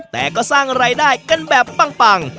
แต่ก็สร้างรายได้กันแบบปัง